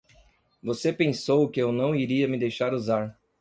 Você pensou que eu não iria me deixar usar